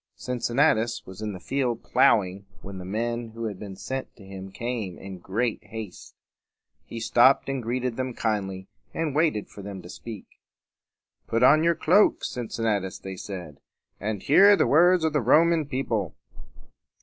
Cincinnatus was in the field plowing when the men who had been sent to him came in great haste. He stopped and greeted them kindly, and waited for them to speak. "Put on your cloak, Cincinnatus," they said, "and hear the words of the Roman people."